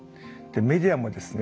メディアもですね